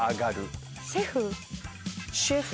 シェフ？